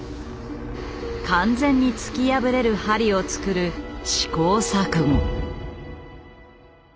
完全に突き破れる針を作る試行錯誤。